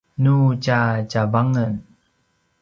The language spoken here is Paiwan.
nu tja tjavangen